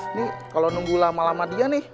ini kalau nunggu lama lama dia nih